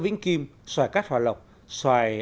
vĩnh kim xoài cát hòa lộc xoài